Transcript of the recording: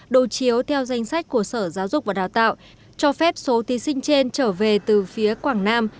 đồ chiếu theo danh sách của sở giáo dục và đào tạo cho phép số thí sinh trên trở về từ phía quảng nam